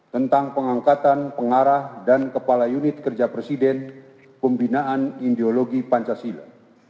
tentang pengangkatan pengarah dan kepala unit kerja presiden pembinaan ideologi pancasila